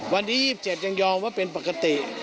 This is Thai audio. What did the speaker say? วันที่๒๗ยังยอมว่าเป็นปกติ